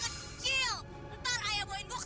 seterusnya ayah mau ngomong bukti